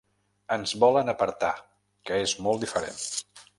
Ens en volen apartar, que és molt diferent.